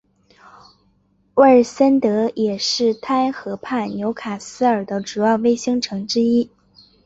沃尔森德也是泰恩河畔纽卡斯尔的主要卫星城之一。